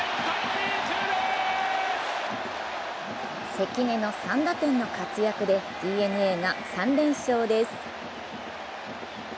関根の３打点の活躍でＤｅＮＡが３連勝です。